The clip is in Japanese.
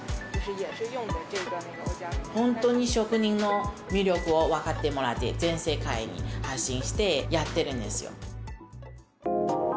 本当に職人の魅力を分かってもらって、全世界に発信してやってるんですよ。